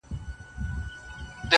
د هسکو غرونو درې ډکي کړلې!